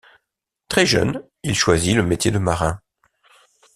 Très jeune il choisit le métier de marin.